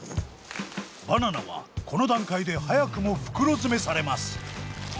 バナナはこの段階で早くも袋詰めされます。